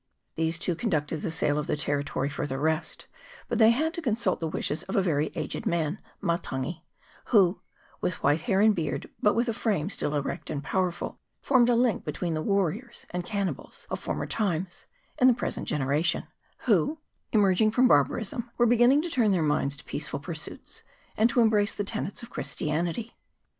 These two conducted the sale of the territory for the rest ; but they had to consult the wishes of a very aged man, Matangi, who, with white hair and beard, but with a frame still erect and powerful, formed a link between the warriors and cannibals of former times and the present generation, who, emerging from barbarism, were beginning to turn their minds to peaceful pursuits, and to embrace the tenets of Chris tianity.